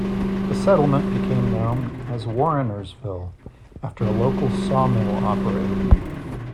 The settlement became known as Warrinersville, after a local sawmill operator.